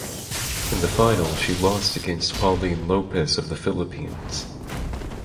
In the final she lost against Pauline Lopez of the Philippines.